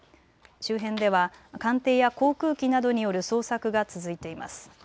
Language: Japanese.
周辺では艦艇や航空機などによる捜索が続いています。